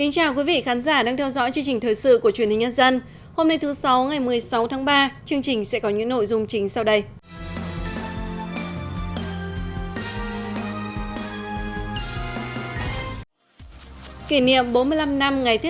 các bạn hãy đăng ký kênh để ủng hộ kênh của chúng mình nhé